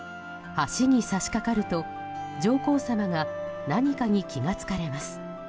橋に差し掛かると、上皇さまが何かに気が付かれます。